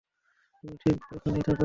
তুমি ঠিক এখানেই থাকো।